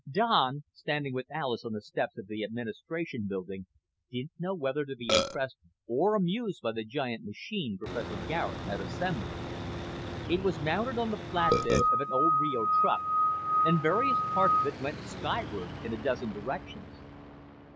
Don, standing with Alis on the steps of the Administration Building, didn't know whether to be impressed or amused by the giant machine Professor Garet had assembled. It was mounted on the flat bed of an old Reo truck, and various parts of it went skyward in a dozen directions.